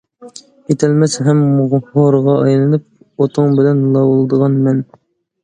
كېتەلمەس ھەم ھورغا ئايلىنىپ، ئوتۇڭ بىلەن لاۋۇلدىغان مەن.